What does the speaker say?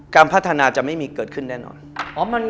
การพัฒนาจะไม่มีเกิดขึ้นแน่นอน